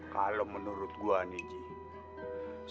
kalo menurut gue nih cing